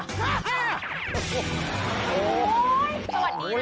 โอ้โฮสวัสดีครับด้วยนะคะ